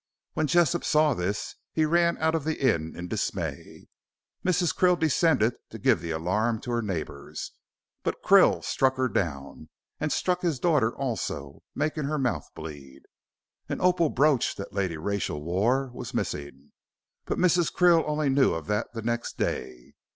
When Jessop saw this, he ran out of the inn in dismay. Mrs. Krill descended to give the alarm to her neighbors, but Krill struck her down, and struck his daughter also, making her mouth bleed. An opal brooch that Lady Rachel wore was missing, but Mrs. Krill only knew of that the next day.